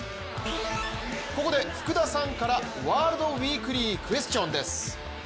ここで福田さんからワールドウィークリークエスチョンです。